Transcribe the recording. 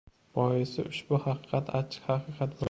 Boisi, ushbu haqiqat achchiq haqiqat bo‘ldi.